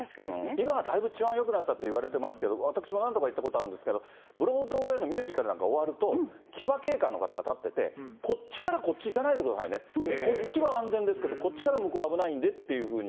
今はだいぶ治安よくなったっていわれますけど、私も何度か行ったことあるんですけど、ブロードウェイのミュージカルなんか終わると、騎馬警官の方が立ってて、こっちからこっち行かないでくださいねって、こっちは安全ですけど、こっちから向こうは危ないんでっていうふうに。